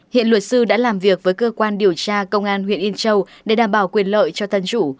hiện luật sư đã làm việc với cơ quan điều tra công an huyện yên châu để đảm bảo quyền lợi cho thân chủ